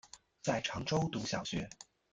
在常州读小学。